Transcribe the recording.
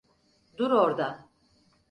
Dur orda!